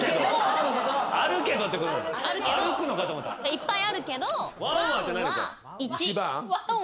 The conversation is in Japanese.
いっぱいあるけど。